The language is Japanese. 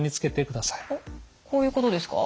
あっこういうことですか？